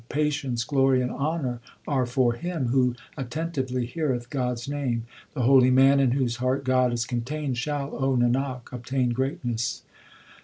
Patience, glory, and honour are for him Who attentively heareth God s name. The holy man in whose heart God is contained Shall, O Nanak, obtain greatness.